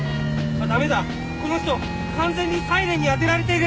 ダメだこの人完全にサイレンにあてられている！